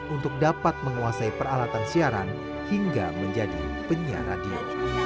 untuk dapat menguasai peralatan siaran hingga menjadi penyiar radio